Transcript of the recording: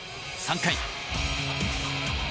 ３回。